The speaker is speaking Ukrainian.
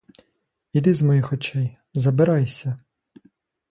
Іди з моїх очей, забирайся!